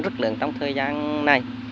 rất lớn trong thời gian này